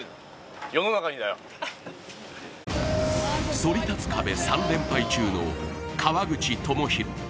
そり立つ壁３連敗中の川口朋広。